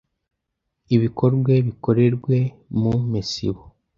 ibikorwe bikorerwe mu mesibo